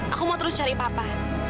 aku mau terus cari papa